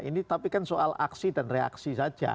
ini tapi kan soal aksi dan reaksi saja